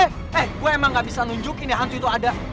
eh gue emang gak bisa nunjukin ya hantu itu ada